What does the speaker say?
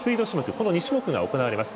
この２種目が行われます。